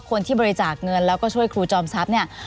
คนที่บริจาคเงินแล้วก็ช่วยครูจอมทรัพย์เนี่ย